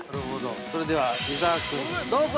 ◆それでは、伊沢君、どうぞ！